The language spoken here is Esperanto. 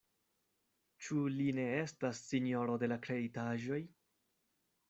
Ĉu li ne estas sinjoro de la kreitaĵoj?